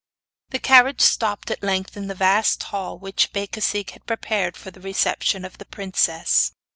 The carriage stopped at length in the vast hall which Becasigue had prepared for the reception of the princess.